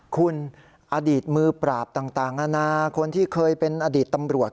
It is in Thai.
คุณอดีตมือปราบต่างนานาคนที่เคยเป็นอดีตตำรวจ